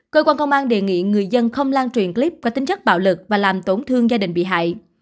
cơ quan công an đề nghị người dân không lan truyền clip có tính chất bạo lực và làm tổn thương gia đình bị hại